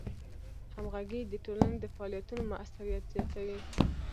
همغږي د ټولنې د فعالیتونو موثریت زیاتوي.